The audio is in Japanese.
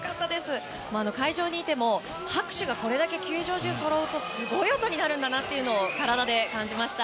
会場にいても拍手がこれだけそろうとすごい音になるんだなっていうのを体で感じました。